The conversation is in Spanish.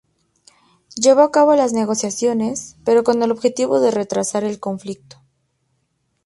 Llevó a cabo las negociaciones, pero con el objetivo de retrasar el conflicto.